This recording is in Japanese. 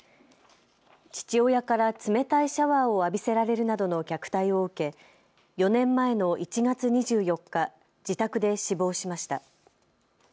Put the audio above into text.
父親から冷たいシャワーを浴びせられるなどの虐待を受け４年前の１月２４日、自宅で死亡しました。